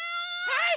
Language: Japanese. はい！